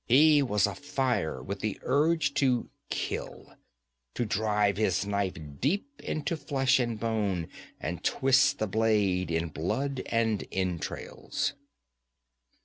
He was afire with the urge to kill to drive his knife deep into flesh and bone, and twist the blade in blood and entrails.